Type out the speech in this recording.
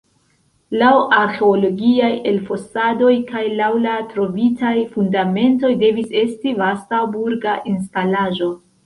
Laŭ arĥeologiaj elfosadoj kaj laŭ la trovitaj fundamentoj devis estis vasta burga instalaĵo.